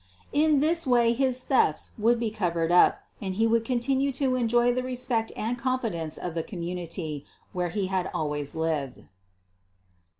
In this way his thefts would be covered up and he could continue to enjoy the respect and confidence of the community where he had always lived.